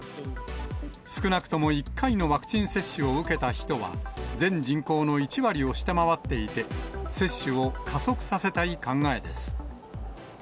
少なくとも１回のワクチン接種を受けた人は、全人口の１割を下回っていて、接種を加速させたい考えです。